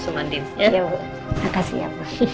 sama andien ya